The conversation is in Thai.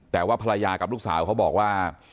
แต่ว่าภรรยากับลูกสาวเขาบอกว่า